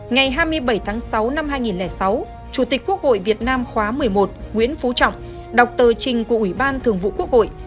ngày hai mươi bảy tháng sáu năm hai nghìn sáu chủ tịch quốc hội việt nam khóa một mươi một nguyễn phú trọng đọc tờ trình của ủy ban thường vụ quốc hội